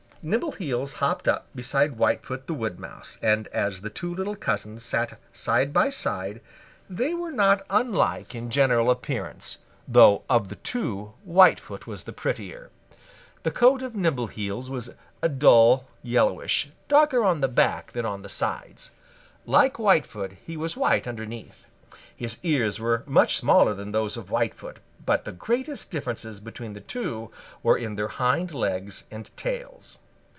Nimbleheels hopped up beside Whitefoot the Wood Mouse, and as the two little cousins sat side by side they were not unlike in general appearance, though of the two Whitefoot was the prettier. The coat of Nimbleheels was a dull yellowish, darker on the back than on the sides. Like Whitefoot he was white underneath. His ears were much smaller than those of Whitefoot. But the greatest differences between the two were in their hind legs and tails.